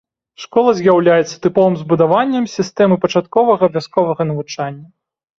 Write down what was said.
Школа з'яўляецца тыповым збудаваннем сістэмы пачатковага вясковага навучання.